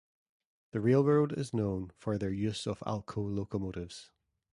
The railroad is known for their use of Alco locomotives.